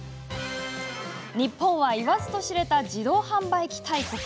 日本は言わずと知れた自動販売機大国。